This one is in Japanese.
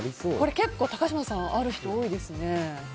結構高嶋さん、ある人が多いですね。